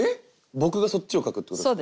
僕がそっちを書くってことですか？